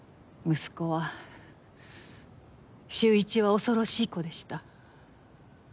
息子は秀一は恐ろしい子でした。